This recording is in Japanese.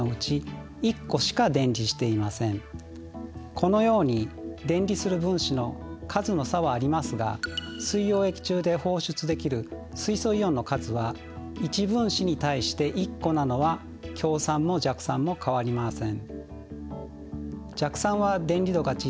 このように電離する分子の数の差はありますが水溶液中で放出できる水素イオンの数は１分子に対して１個なのは強酸も弱酸も変わりません。